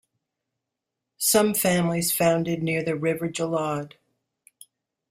Some families founded near the River Jalaud.